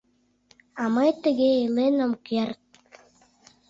А мый тыге илен ом керт.